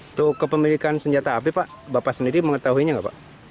untuk kepemilikan senjata api bapak sendiri mengetahuinya tidak pak